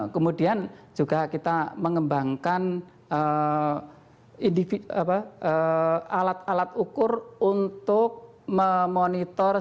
kemudian juga kita mengembangkan alat alat ukur untuk memonitor